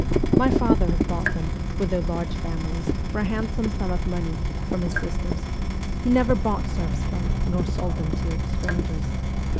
My father had bought them, with their large families, for a hand some sum of money, from his sisters (he never bought serfs from nor sold them to strangers)